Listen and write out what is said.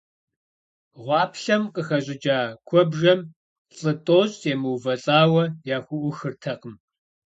Гъуаплъэм къыхэщӀыкӀа куэбжэм лӀы тӀощӀ емыувэлӀауэ яхуӀухыртэкъым.